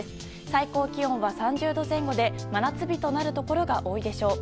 最高気温は３０度前後で真夏日となるところが多いでしょう。